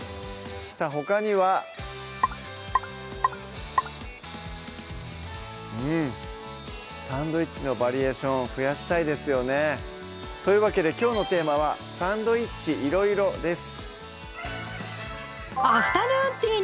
さぁほかにはうんサンドイッチのバリエーション増やしたいですよねというわけできょうのテーマは「サンドイッチいろいろ」です